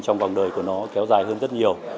trong vòng đời của nó kéo dài hơn rất nhiều